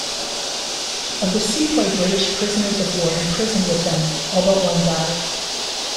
Of the sepoy British prisoners-of-war imprisoned with them, all but one died.